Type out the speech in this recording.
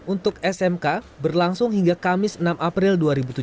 untuk smk berlangsung hingga kamis enam april dua ribu tujuh belas